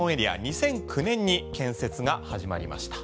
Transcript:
２００９年に建設が始まりました。